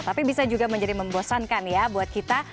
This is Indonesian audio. tapi bisa juga menjadi membosankan ya buat kita